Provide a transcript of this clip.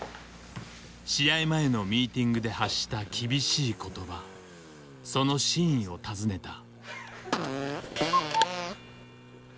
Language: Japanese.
試合前のミーティングで発した厳しい言葉その真意を尋ねた。